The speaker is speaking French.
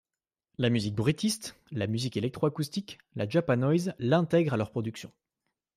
La musique bruitiste, la musique électroacoustique, la japanoise l'intègrent à leurs productions.